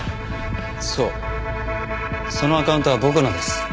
そうそのアカウントは僕のです。